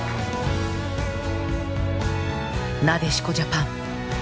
なでしこジャパン。